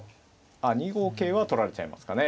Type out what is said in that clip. あっ２五桂は取られちゃいますかね。